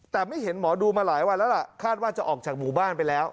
แต่ไม่เห็นหมอดูมาหลายวันแล้วล่ะคาดว่าจะออกจากหมู่บ้านไปแล้ว